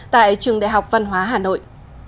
tại trường đại học văn hóa hà nội